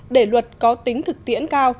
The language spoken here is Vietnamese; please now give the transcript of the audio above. để luật có tính thực tiễn cao